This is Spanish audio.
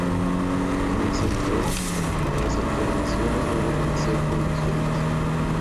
En el solfeo, las alteraciones no deben ser pronunciadas.